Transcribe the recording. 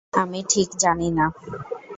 আমি ঠিক জানি না।